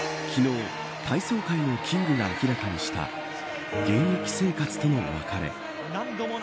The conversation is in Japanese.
昨日、体操界のキングが明らかにした現役生活との別れ。